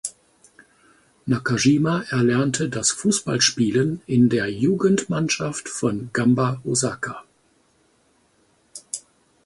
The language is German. Nakajima erlernte das Fußballspielen in der Jugendmannschaft von Gamba Osaka.